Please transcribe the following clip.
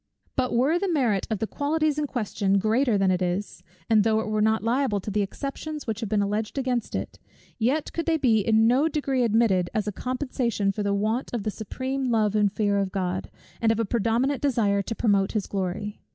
But were the merit of the qualities in question greater than it is, and though it were not liable to the exceptions which have been alleged against it, yet could they be in no degree admitted, as a compensation for the want of the supreme love and fear of God, and of a predominant desire to promote his glory.